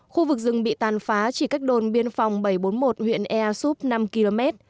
khu vực rừng bị tàn phá chỉ cách đồn biên phòng bảy trăm bốn mươi một huyện ea súp năm km